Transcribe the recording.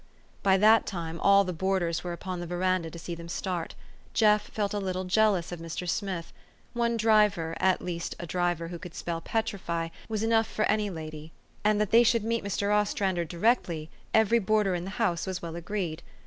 " By that time all the boarders were upon the veran da to see them start. Jeff felt a little jealous of Mr. Smith. One driver at least a driver who could spell petrify was enough for any lady ; and that they should meet Mr. Ostrander directty, every boarder in the house was well agreed.